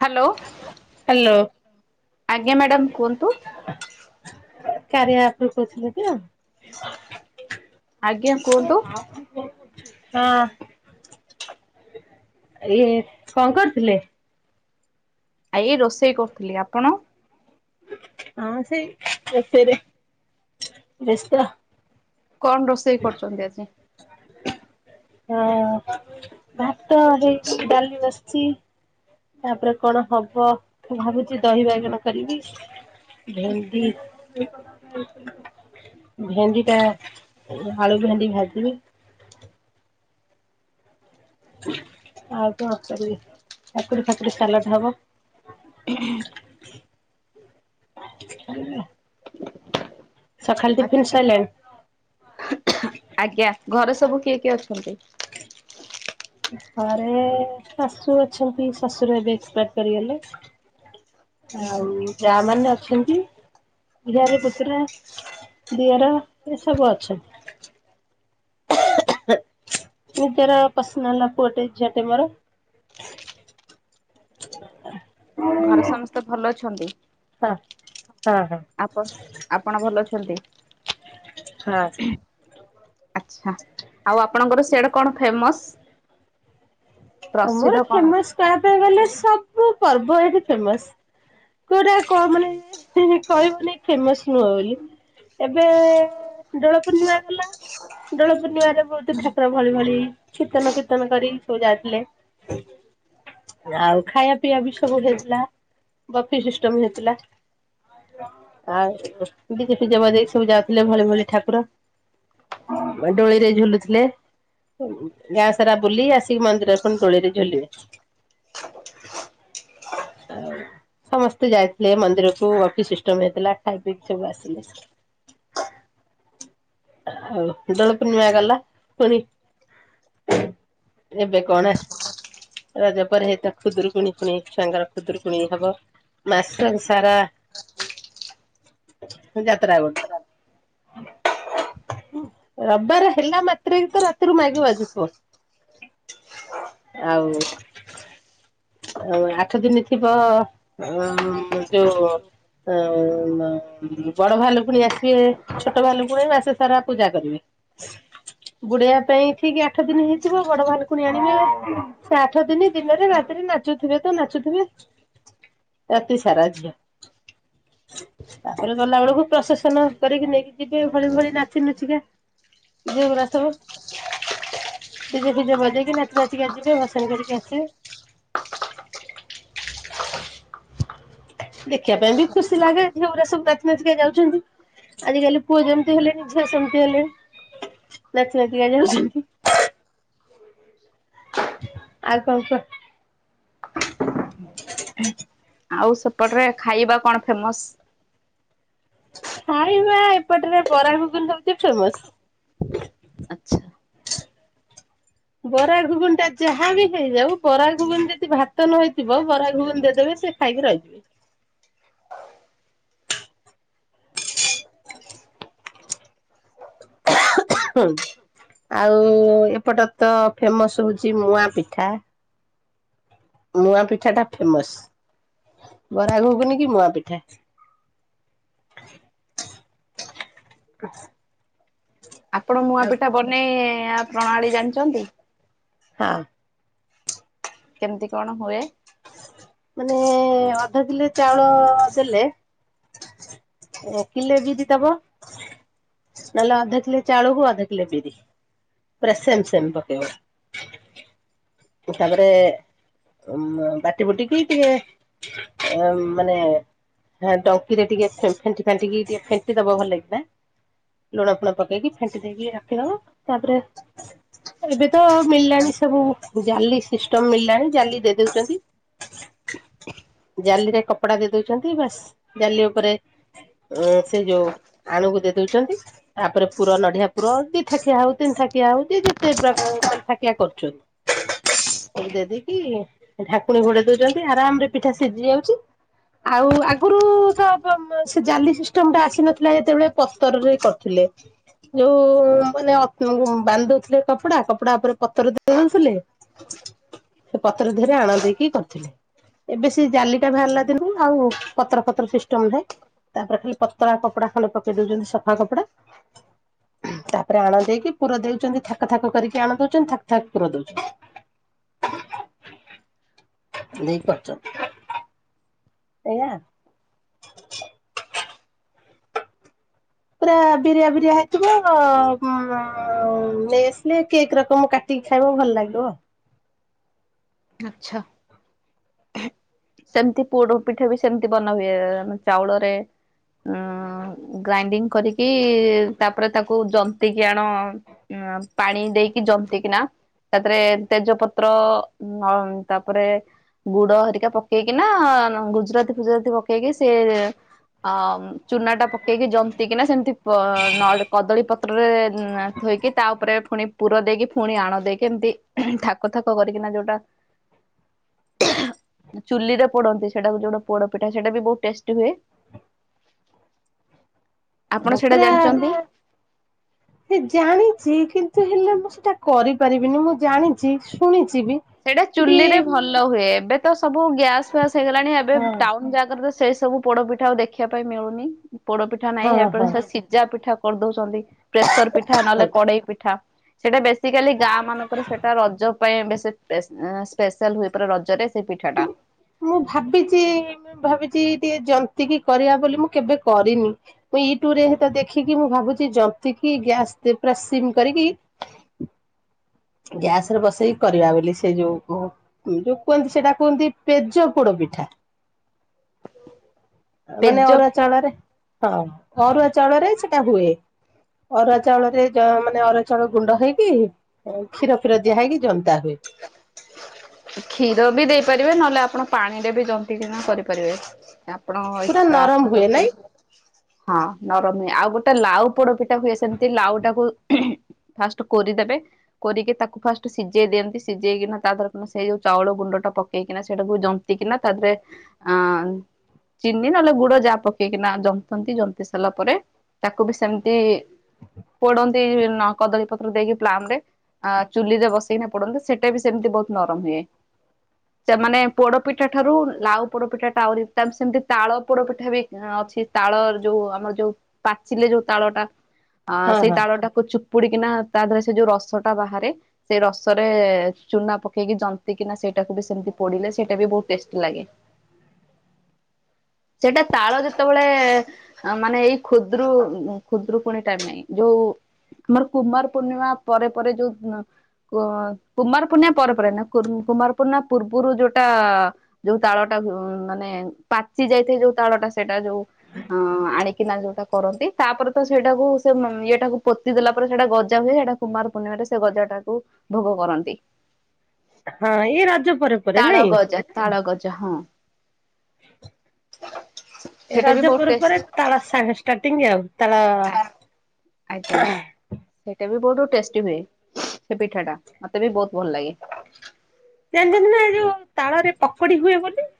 Hello hello. ଆଜ୍ଞା madam କୁହନ୍ତୁ। କାର୍ୟ ଆପରୁ କହୁଥିଲେ ତ। ଆଜ୍ଞା କୁହନ୍ତୁ। ହଁ ଇଏ କଣ କରୁଥିଲେ? ଅଜ୍ଞା ରୋଷେଇ କରୁଥିଲି, ଆପଣ? ହଁ ସେଇ ରୋଷେଇରେ ବେସ୍ତ। କଣ ରୋଷେଇ କରୁଛନ୍ତି ଆଜି? ହଁ ଭାତ ହେଇଚି ଡାଲି ବସିଛି। ତାପରେ କଣ ହବ ମୁ ଭାବୁଛି ଦହିବାଇଗଣ କରିବି। ଭେଣ୍ଡି ଭେଣ୍ଡି ଟା ଆଳୁ ଭେଣ୍ଡି ଭାଜିବି। ଆଉ କଣ କରିବି କାକୁଡି ଫାକୁଡି ସାଲାଡ୍ ହବ। [unintelligible] [unintelligible] ସକାଳ ଆଚ୍ଛା। ଟିଫିନ୍ ସଇଲାଣୀ। ଆଜ୍ଞା ଘରେ ସବୁ କିଏ କିଏ ଅଛନ୍ତି? ଘରେ ଶାଶୁ ଅଛନ୍ତି ଶଶୁର ଏବେ ଏକ୍ସପାଇର୍ କରିଗଲେ। ଆଉ ଯାଆମାନେ ଅଛନ୍ତି। ଝିଆରି, ପୁତୁରା, ଦିଅର ଏସବୁ ଅଛନ୍ତି। ନିଜର ପର୍ସନାଲ୍ ପୁଅଟେ ଝିଅଟେ ମୋର। [inaudible] ଘରେ ସମସ୍ତେ ଭଲ ଅଛନ୍ତି। ହଁ ହଁ ହଁ। ଆପ ଆପଣ ଭଲ ଅଛନ୍ତି। ହଁ। ଆଛା ଆଉ ଆପଣଙ୍କର ସିଆଡେ କଣ ଫେମସ? ଆମର ପ୍ରସିଦ୍ଧ କଣ ଫେମସ କହିବାପାଇଁ ଗଲେ ସବୁ ପର୍ବ ଏଠି ଫେମସ। କୋଉଟା କ ମାନେ କହିବନି ଫେମସ ନୁହ ବୋଲି, ଏବେ ଡୋଳପୂର୍ଣ୍ଣିମା ଗଲା ଡୋଳପୂର୍ଣ୍ଣିମା ବହୁତ ଠାକୁର ଭଳି ଭଳି ଚୀତନ କୀର୍ତ୍ତନ କରି ସବୁ ଯାଉଥିଲେ। ଆଉ ଖାଇବା ପିଇବା ସବୁ ହେଇଥିଲା। ବଫି ସିଷ୍ଟମ ହେଇଥିଲା। ଆଉ ଡିଜେ ଫିଜେ ବଜେଇକି ସବୁ ଯାଉଥିଲେ ଭଳି ଭଳି ଠାକୁର। ଡୋଳିରେ ଝୁଲୁଥିଲେ ଗାଁ ସାରା ବୁଲି ଆସିକି ମନ୍ଦିର ଦୋଳିରେ ଝୁଲିବେ। ସମସ୍ତେ ଯାଇଥିଲେ ମନ୍ଦିରକୁ ଅଫିସିଷ୍ଟମ ହେଇଥିଲା ଖାଇପିଇକି ସବୁ ଆସିଲେ। ହଉ, ଦୋଳପୂର୍ଣ୍ଣିମା ଗଲା ପୁଣି ଏବେ କଣା ରଜ ପରେ ହେଇତ ଖୁଦୁରୁକୁଣି-କୁଣି ଛୁଆଙ୍କର ଖୁଦୁରୁକୁଣି ହବ। ମାସ ସାରା ଯାତ୍ରା ଗୋଟେ ରବିବାରେ ହେଲା ମାତ୍ରେକେ ତ ରାତିରୁ ମାଇକି ବଜୁଥୁବ। ଆଉ ଆଉ ଆଠ ଦିନ ଥିବ ଉଁ ଯୋଉଁ ଆଁ ବଡ ଭାଲୁକୁଣି ଆସିବେ। ଛୋଟ ଭାଲୁକୁଣି ମାସ ସାରା ପୂଜା କରିବେ। ବୁଡିଆ ପାଇଁ ଠିକ ଆଠଦିନ ହେଇଥିବ ବଡ ଭାଲୁକୁଣି ଆଣିବେ। ସେ ଆଠଦିନ ଦିନରେ ରାତିରେ ନାଚୁଥିବେ ତ ନାଚୁଥିବେ। ରାତିସାରା ଝିଅ। ତାପରେ ଗଲାବେଳକୁ ପ୍ରସେସନ କରିକି ନେଇକି ଯିବେ ଭଳି ଭଳି ନାଚି ନୁଚିକା। ଜିଅଗୁୁରା ସବୁ ଡିଜେ ଫିଜେ ବଜେଇକି ନାଚି ନା [unintelligible] ଚିକା ଯିବେ ଭସାଣି କରିକି ଆସିବେ। ଦେଖିବା ପାଇଁ ବି ଖୁସି ଲାଗେ ଝିଅଗୁରା ସବୁ ନାଚି ନାଚିକା ଯାଉଛନ୍ତି। ଆଜିକାଲି ପୁଅ ଯେମିତି ହେଲେଣି ଝିଅ ସେମତି ହେଲେଣି। ନାଚି ନାଚିକା ଯାଉ [inaudible] ଆଉ କଁ କୁଅ। ଆଉ ସେପଟରେ ଖାଇବା କଣ ଫେମସ? ଖାଇବା ଏପଟରେ ବରାଘୁଗୁନି ହଉଚି ଫେମସ। ଆଚ୍ଛା ବରାଘୁଗୁନି ଟା ଯାହା ବିି ହେଇଯାଉ ବରାଘୁଗୁନି ଯଦି ଭାତ ନହେଇଥିବ ବରାଘୁଗୁନି ଦେଇଦବେ ସେ ଖାଇକି ରହିଯିବେ। [unintelligible] ଆଉ ଏପଟ ତ ଫେମସ ହଉଛି ମୁଆଁପିଠା। ମୁଆଁପିଠା ଟା ଫେମସ। ବରାଘକୁନି କି ମୁଆଁପିଠା। ଆପଣ ଆଉ ମୁଆଁପିଠା ବନେଇ-ଆ ପ୍ରଣାଳୀ ଜାଣିଚନ୍ତି? ହଁ କେମିତି କଣ ହୁଏ? ମାନେ ଅଧକିଲେ ଚାଉଳ ଦେଲେ କିଲେ ବିଦିଦବ। ନହେଲେ ଅଧକିଲେ ଚାଉଳକୁୁ ଅଧକିଲେ ବିରି। ପୁରା ସେମସେମ ପକେଇବ। ତାପରେ ଉମ ବାଟିବୁଟିକି ଟିକେ ଏ ମାନେ ହଁ ଡଙ୍କିରେ ଟିକେ ଫେଣ୍ଟି ଫାଣ୍ଟିିକି ଟିକେ ଫେଣ୍ଟି ଦବା ଭଲ ଲାଗିଲା ଲୁଣ ଫୁଣା ପକେଇକି ଫେଣ୍ଟି ଦେଇକି ରାଖି ନବ ତାପରେ ଏବେ ତ ମିଳିଲାଣି ସବୁ ଜାଲି ସିଷ୍ଟମ ମିଳିଲାଣି ଜାଲି ଦେଇ ଦଉଛନ୍ତି। [unintelligible] ଜାଲିରେ କପଡା ଦେଇ ଦଉଛନ୍ତି ବା ଜାଲି ଉପରେ ସେ ଯୋଉ ଆଣୁକୁ ଦଉଛନ୍ତି ତାପରେ ପୁର ନଡିଆ ପୁର ଦି ଥାକିଆ ହଉ ତିନି ଥାକିଆ ହଉ ଯିଏ ଯେତେ ପ୍ରକାର ଥାକିଆ କରୁଛନ୍ତୀ। ସବୁ ଦେଇଦକି ଢାକୁଣୀ ଘୋଡେଇ ଦଉଛନ୍ତି ଆରାମ ରେ ପିଠା ସିଝି ଯାଉଛି। ଆଉ ଆଗରୁ ତ ସେ ଜାଲି ସିଷ୍ଟମ ଟା ଆସିନଥିଲା ଯେତେବେଳେ ପତରରେ କରିଥିଲେ। ଯୋଉ ମାନେ ବାନ୍ଧଉଥିଲେ କପଡା କପଡା ଉପରେ ପତର ଦେଇ ଦଉ ସେ ପତ୍ର ଧରେ ଆଣ ଦେଇକି କରିଥିଲେ। ଏବେ ସେ ଜାଲି ଟା ବାହାରିଲା ଦିନୁ ଆଉ ପତ୍ର ଫତ୍ର ସିଷ୍ଟମ ନାହିଁ। ତାପରେ ଖାଲି ପତଳା କପଡା ଖାଲି ପକେଇ ଦଉଛନ୍ତି ସଫା କପଡା। ତାପରେ ଆଣ ଦେଇକି ପୁରା ଦେଉଛନ୍ତି ଥାକ ଥାକ କରିକି ଆଣ ଦଉଛନ୍ତି ଥାକ ଥାକ୍ [inaudible] ଦେଇ କରିଛ। ସେଇଆ। ପୁରା ବିରିଆ ବିରିଆ ହେଇଥିବ ଉ ନେଇ ଆସିଲେ କେକ୍ ରକମ କାଟି ଖାଇବ ଭଲ ଲାଗିବ। ଆଚ୍ଛା। [unintelligible] ସେମତି ପୋଡ଼ ପିଠା ବି ସେମିତି ବନା ହୁଏେ ଚାଉଳରେ ଉ ଗ୍ରାଇଣ୍ଡିଙ୍ଗ୍ କରିକି ତାପରେ ତାକୁ ଜନ୍ତିକିି ଆଣ ପାଣି ଦେଇକି ଜନ୍ତିକିିନା ତାପରେ ତେଜପତ୍ର ତାପରେ ଗୁଡ଼ ହେରିକା ପକେଇକି ନା ଗୁଜୁରାତି ଫୁଜୁରାତି ପକେଇକି ସେ [unintelligible] ଆ ଚୁନା ଟା ପକେଇକି ଜନ୍ତି କିିନା ସେମିତି ନ କଦଳୀ ପତ୍ରରେ ଥୋଇକି ତା ଉପରେ ପୁଣି ପୁର ଦେଇକି ପୁଣି ଆଣ ଦେଇକି ଏମିତି ଥାକ ଥାକ କରିକିନା ଯୋଉ ବା- ଚୁଲିରେ ପୋଡ଼ନ୍ତି ସେଟା ଗୋଟେ ପୋଡ଼ ପିଠା ସେଇଟା ବି ବହୁତ୍ ଟେଷ୍ଟି ହୁଏ। [unintelligible] ଆପଣ ହଁ ସେଇଟା ପୁରା ଜାଣିଛନ୍ତି? ସେ ଜାଣିଛି କିନ୍ତୁ ହେଲେ ମୁଁ ସେଇଟା କରିପାରିବିନି ମୁଁ ଜାଣିଛି ଶୁଣିଛି। ବି ସେଇଟା ବି ଚୁଲି ରେ ଭଲ ହୁଏ ଏବେ ତ ସବୁ ଗ୍ୟାସ ଫ୍ୟାସ୍ ହେଇଗଲାଣି ଏବେ ହଁ ଟାଉନ ଜାଗ ସେଇ ସବୁ ପୋଡ଼ପିଠା ଆଉ ଦେଖିବା ପାଇଁ ମିଳୁନି ପୋଡ଼ପିଠା ନାହିଁ ଏବେ ହଁ ସେ ସିଝା ପିଠା କରିଦଉଛନ୍ତି। ପ୍ରେସର ପିଠା ନହେଲେ ହଁ। କଡ଼େଇ ପିଠା। ସେଇଟା ବେସିକାଲି ଗାଁ ମାନଙ୍କର ସେଟା ରଜ ପାଇଁ ବେଶୀ ସ୍ପେଶାଲ୍ ସ୍ପେଶାଲ୍ ହୁଏ ପୁରା ରଜରେ ସେ ପିଠାଟା ମୁଁ ଭାବିଛି ଭାବିଛି ଟିକେ ଜନ୍ତିକି କରିବା ବୋଲି ମୁଁ କେବେ କରିନି ମୁଁ ୟୁଟ୍ୟୁବ ରେତ ଦେଖିକି ମୁଁ ଭାବୁଛି ଯନ୍ତିକି କି ଗ୍ୟାସ୍ ରେ ପୁରା ସିନ୍ କରିକି ଗ୍ୟାସ ରେ ବସେଇକି କରିବା ବୋଲି ସେ ଯୋଉ ଯୋଉ କୁହନ୍ତି ସେଟା କୁହନ୍ତି ପେଜ ପୋଡ଼ ପିଠା ପେଜ ମାନେ ଅରୁଆ ଚାଉଳରେ ହଁ ଅରୁଆ ଚାଉଳରେ ସେଟା ହୁଏ। ଅରୁଆ ଚାଉଳ ରେ ମାନେ ଅରୁ ଚାଉଳ ଗୁଣ୍ଡ ହେଇକି କ୍ଷୀର ଫିର ଦିଆ ହେଇକି ଯନ୍ତ୍ କ୍ଷୀର ବି ଦେଇ ପାରିବେ ନହେଲେ ଆପଣ ପାଣି ରେ ବି ଜନ୍ତିକିନା କରିପାରିବେ। ଆପଣଙ୍କ ପୁରା ଇଚ୍ଛା ନରମ ଆପଣ ହୁଏ ନାଇଁ ହଁ। ନରମୀ ଆଉ ଗୋଟେ ଲାଉ ପୋଡ଼ପିଠା ହୁଏ ସେମତି ଲାଉ ଟାକୁ ଫାଷ୍ଟ୍ କୋରିଦେବେ କୋରିକି ତାକୁ ଫାଷ୍ଟ୍ ସିଝେଇ ଦିଅନ୍ତି। ସିଝେଇକିନା ତା ଦେରରେ ସେଇ ଯୋଉ ଚାଉଳ ଗୁଣ୍ଡ ଟା ପକେଇକିନା ସେଇଟାକୁ ଜନ୍ତିକିିନା ତା ଦେହରେ ଆଁ ଚିନି ନହେଲେ ଗୁଡ଼ ଯାହା ପକେଇକି ନା ଜନ୍ତନ୍ତି ଜନ୍ତି ସାରିଲା ପରେ- ତାକୁ ବି ସେମିତି ପୋଡ଼ନ୍ତି କଦଳୀ ପତ୍ର ଦେଇକି ପ୍ଲାମ ରେ ଚୁଲିରେ ବସେଇକି ପୋଡ଼ନ୍ତି ସେଠି ଗୋଟେ ବି ସେମିତି ବହୁତ୍ ନରମ ହୁଏ। ସେ ମାନେ ପୋଡ଼ପିଠା ଠାରୁ ଲାଉ ପୋଡ଼ପିଠା ଟା ଆହୁରି ତା ସେମିତି ତାଳ ପୋଡ଼ପିଠା ବି ତାଳ ଯୋଉ ଆମର ଯୋଉ ପାଚିଲେ ଯୋଉ ତାଳଟା ହଁ ସେଇ ହଁ। ତାଳଟାକୁ ପୁଡି଼କିନା ତା ଦେହରେ ସେ ଯୋଉ ରସଟା ବାହାରେ ସେଇ ରସରେ ଚୁନା ପକେଇକି ଜନ୍ତି କିିନା ସେଇଟାକୁ ବି ସେମିତି ପୋଡ଼ିଲେ ସେଇଟା ବି ବହୁତ ଟେଷ୍ଟି ଲାଗେ। [unintelligible] ସେଟା ତାଳ ଯେତେବେଳେ ମାନେ ଏଇ ଖୁଦୁରୁ ଖୁଦୁରୁକୁୁଣି ଟାଇମ୍ ରେ ଯୋଉ ଆମର କୁମାର ପୂର୍ଣ୍ଣିମା ପରେ ପରେ ଯୋଉ କୁମାର ପୂର୍ଣ୍ଣିଆ ପରେ ପରେ ନା କୁମାର ପୂର୍ଣ୍ଣିମା ପୂର୍ବରୁ ଯୋଉଟା ଯୋଉ ତାଳଟା ମାନେ ପାଚି ଯାଇଥା ଯୋଉ ତାଳଟା ସେଇଟା ଯୋଉ ଆ ‌ଆଣିକି କିନା ଯୋଉଟା କରନ୍ତି ତାପରେ ତ ସେଇଟାକୁ ସେ ଇଏଟାକୁ ପୋତି ଦେଲା ପରେ ସେଟା ଗଜା ହୁଏ ସେଇଟା କୁମାର ପୂର୍ଣିମା ସେ ଗଜା ଟାକୁ ଭୋଗ କରନ୍ତି। ହଁ ଏଇ ରଜ ପରେ ପରେ ତାଳ ନାଇଁ ଗଜା ତାଳ ଗଜା ହଁ। ଏ ସେଇଟା ବି ବହୁତ ରାଜପୁର ଟେଷ୍ଟ ପରେ ତାଳ ସାଙ୍ଗ ଷ୍ଟାର୍ଟିଂ ଆଉ। ତାଳ। ଆଜ୍ଞା ସେଇଟା ବି। ବହୁତ ଟେଷ୍ଟି ହୁଏ ସେ ପିଠା ଟା ମତେ ବି ବହୁତ ଭଲ ଲାଗେ। ଜଣି ଯେ ନା ଏ ଯୋଉ ତାଳରେ ପକୋଡି ହୁଏ ବୋଲି।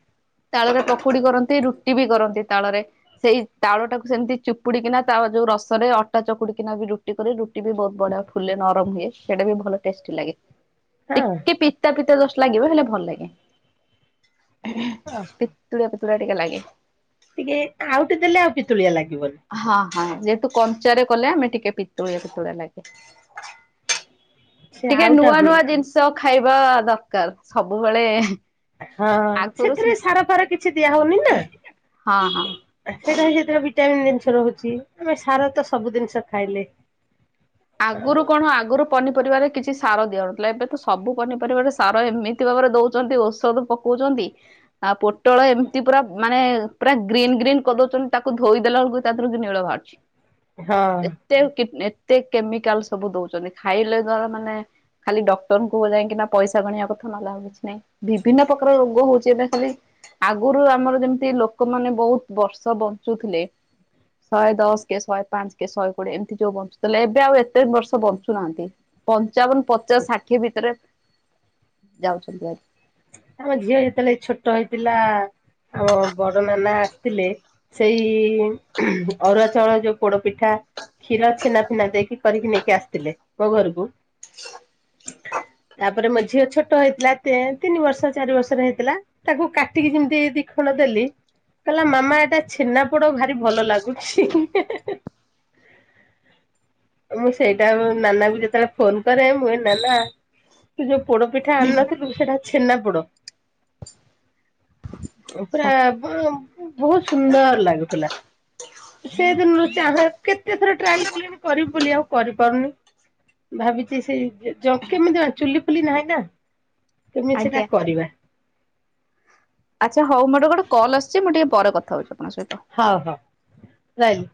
ତାଳରେ ପକୁଡି କରନ୍ତି ରୁଟି ବି କରନ୍ତି ତାଳରେ ସେଇ ତାଳ ଟାକୁ ସେମିତି ଚିପୁଡିିକିନା ତା ଯୋଉ। ରସ ରେ ଅଟା ଚକୁଡିିକିନା ବି ରୁଟି କରେ ରୁଟି ବି ବହୁତ ବଢିଆ ଫୁଲେ ନରମ ହୁଏ ସେଇଟା ବି ଭଲ ଟେଷ୍ଟି ଲାଗେ। ହଁ ଟିକେ ପିତା ପିତା ଜଷ୍ଟ ଲାଗିବ ହେଲେ ଭଲ ଲାଗେ। ପିତୁଳିଆ ପିତୁଳିଆ ଟିକେ ଲାଗେ। ଟିକେ ଆଉ ଟେ ଦେଲେ ଆଉ ପିତୁଳିଆ ଲାଗିବନି। ହଁ ହଁ ଯେହେତୁ କଞ୍ଚାରେ କଲେ ଆମେ ଟିକେ। ସେ ଟିକେ ଆଉଟା ନୂଆ ହୁଏ ନୂଆ ଜିନିଷ ଖାଇବା ଦରକାର ସବୁବେଳେ। ହଁ ଆଗରୁ ସେଥିରେ ସେ ସାରାପାର କିଛି। ଦିଆ ହେଉନି ନା ହଁ ସହିତି ହଁ ପାଇଁ ସେଠାରେ ଭିଟାମିନ ଥାଏ। ଗଛ ରହୁଛି ଆମେ ସାର ତ ସବୁ ଜିନିଷ ଖାଇଲେ। ଆଗରୁ କଣ ଆଗରୁ ପନିପରିବାରେ। କିଛି ସାର ଦିଆନଥିଲା ଏବେ ତ ସବୁ ପନିପରିବାରେ ସାର ଏମିତି ଭାବରେ ଦଉଛନ୍ତି ଔଷଧ ପକଉଛନ୍ତି। ଆ ପ। ଟଳ ଏମିତି ପୁରା ମାନେ ପୁରା ଗ୍ରୀନ୍ ଗ୍ରୀନ୍ କରିଦଉଛନ୍ତି ତାକୁ ଧୋଇ ଦେଲା ବେଳକୁ ତା ଦେହରୁ କି ନୀଳ ବାହାରୁିଛି। ହଁ ଏତେ ଏତେ। କେମିକାଲ ସବୁ ଦଉଛନ୍ତି ଖାଇଲେ ମାନେ ଖାଲି ଡକ୍ଟର କ ଯାଇକିନା ପଇସା ଗଣିବା କଥା ନଲା। ଆଉ କିଛି ନାଇଁ ବିଭିନ୍ନ ପ୍ରକାର ରୋଗ ହଉଛି। ଖାଲି ଆଗରୁ ଆମର ଯେମିତି ଲୋକମାନେ ବହୁତ ବର୍ଷ ବଞ୍ଚୁଥିଲେ। ଶହେ ଦଶ କେ ଶହେ ପାଞ୍ଚ କେ ଶହେ କୋଡିଏ ଏମିତି ଯୋଉ ବଞ୍ଚୁ। ଏବେ ଆଉ ଏତେ ବର୍ଷ ବଞ୍ଚୁନାହାନ୍ତି ପଞ୍ଚାବନ ପଚାଶ ଷାଠିଏ ଭିତରେ। ଯାଉଛନ୍ତି ଆ। ଆମ ଝିଅ ଯେତେବେଳେ ଛୋଟ ହେଇଥିଲା। ଆମ ବଡ ନାନା ଆସିଥିଲେ ସେଇ ଅରୁଆ ଚାଉଳ ଯୋଉ ପୋଡ ପିଠା। କ୍ଷୀର ଛେନା ଫିନା ଦେଇକି କରିକି ନେଇକି ଆସିଥିଲେ ମୋ ଘରକୁ। ତାପରେ ମୋ ଝିଅ ଛୋଟ ହେଇଥିଲା ତ। ତିନି ବର୍ଷ ଚାରି ବର୍ଷର ହେଇଥିଲା ତାକୁ କାଟିକି ଯେମିତି ଦି ଖଣ ଦେଲି।। କହିଲା ମାମା ଏଟା ଛେନା ପୋଡ ଭାରି ଭଲ ଲାଗୁଛି। ମୁଁ ସେଇଟା ଉ ନାନା କୁ ଯେତେବେଳେ ଫୋନ କରେ ମୁଁ କହିଁ ନାନା ତୁ ଯଉ ପୋଡ଼ ପିଠା ଆଣନାଥିଲୁ ସେଟା ଛେନାପୋଡ। ପୁରା ବ ବହୁତ ସୁନ୍ଦର ଲାଗୁଥିଲା। ସେଦିନରୁ ଚାହେଁ କେତେ ଥର ଟ୍ରାଏଲ କଲିଣି କରିବି ବୋଲି ଆଉ କରିପାରୁନି। ଭାବିଛି ସେ ଜ କେମିତି ହବ ଚୁଲି ଫୁଲି ନାହିଁ ନା। କେମିତି ସେଟା ଆଜ୍ଞା। କରିବା। ଆଚ୍ଛା ହଉ ମୋର ଗୋଟେ କଲ୍ ଆସିଛି ମୁଁ ଟିକେ ପରେ କଥା ହଉଛି ଆପଣଙ୍କ ସହିତ। ହଉ ହଉ ରହିଲି।